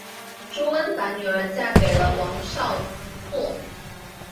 朱温把女儿嫁给了王昭祚。